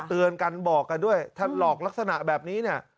เตือนกันบอกกันด้วยถ้าหลอกลักษณะแบบนี้เนี่ย